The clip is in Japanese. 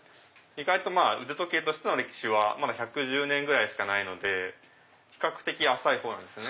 意外と腕時計としての歴史はまだ１１０年ぐらいなので比較的浅いほうですね。